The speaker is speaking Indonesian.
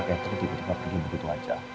catherine tiba tiba pergi begitu aja